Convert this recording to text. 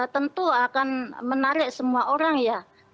tentu akan menarik semua orang ya